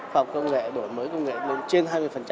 khoa học công nghệ đổi mới công nghệ lên trên hai mươi